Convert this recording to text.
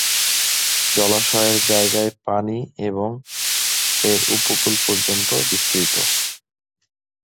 জলাশয়ের জায়গায় পানি এবং এর উপকূল পর্যন্ত বিস্তৃত।